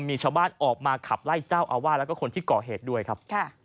มีชาวบ้านออกมาขับไล่เจ้าอาวาสแล้วก็คนที่ก่อเหตุด้วยครับ